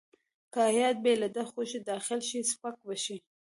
که هیات بې له ده خوښې داخل شي سپک به شي.